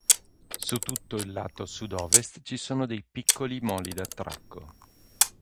Su tutto il suo lato sud-ovest ci sono dei piccoli moli d'attracco.